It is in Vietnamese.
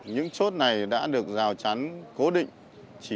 những chốt này đã được rào chắn cố định